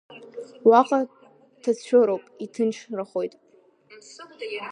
Уаҟа ҭацәыроуп, иҭынчрахоит…